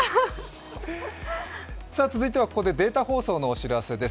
続いてはデータ放送のお知らせです。